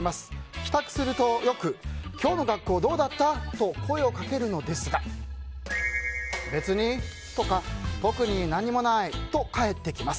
帰宅するとよく今日の学校どうだった？と声をかけるのですが別にとか、特に何もないと返ってきます。